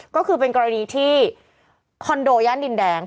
ก็คือเป็นกรณีที่คอนโดย่านดินแดง